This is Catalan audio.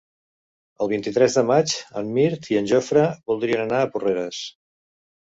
El vint-i-tres de maig en Mirt i en Jofre voldrien anar a Porreres.